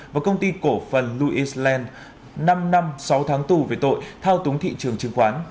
và công ty cổ phần louisland năm năm sáu tháng tù về tội thao túng thị trường chứng khoán